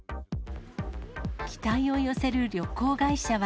期待を寄せる旅行会社は。